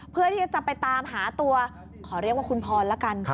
เพื่อที่จะไปตามหาตัวขอเรียกว่าคุณพรละกัน